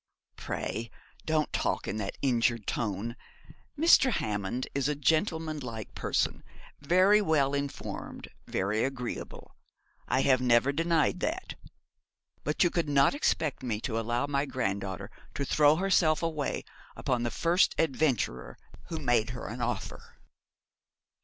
'Pray don't talk in that injured tone. Mr. Hammond is a gentlemanlike person, very well informed, very agreeable. I have never denied that. But you could not expect me to allow my granddaughter to throw herself away upon the first adventurer who made her an offer.'